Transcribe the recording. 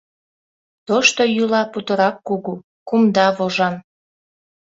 Тошто йӱла путырак кугу, кумда вожан.